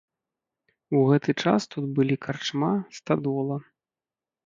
У гэты час тут былі карчма, стадола.